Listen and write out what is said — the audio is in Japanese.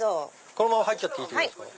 このまま入っていいんですか？